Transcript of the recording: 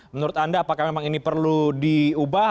menurut anda apakah memang ini perlu diubah